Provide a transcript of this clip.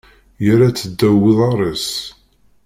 Yerra-tt ddaw uḍar-is.